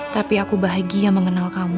tapi aku bahagia mengenal kamu